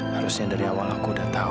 harusnya dari awal aku udah tahu